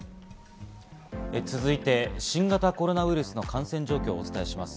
続いて新型コロナウイルスの感染状況をお伝えします。